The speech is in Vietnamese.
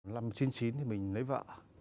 năm chín mươi chín thì mình lấy vợ